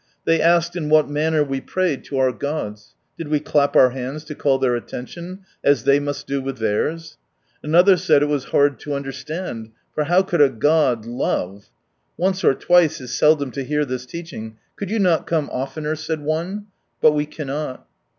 Tliey asked in what manner we prayed to our Gods, did we clap our hands to call their attention, as they must do with theirs ? Another said it was hard lo understand, for how could a God /ove ?" Once or twice is seldom to hear this teaching, could you not come ofiener? " said one. But we cannot.